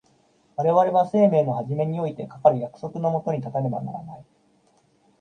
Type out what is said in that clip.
我々は生命の始めにおいてかかる約束の下に立たねばならない。